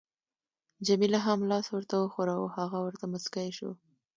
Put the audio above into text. جميله هم لاس ورته وښوراوه، هغه ورته مسکی شو.